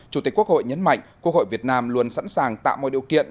chủ tịch quốc hội nhấn mạnh quốc hội việt nam luôn sẵn sàng tạo mọi điều kiện